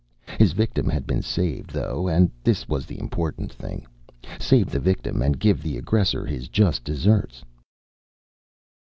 His victim had been saved, though, and this was the important thing. Save the victim and give the aggressor his just desserts.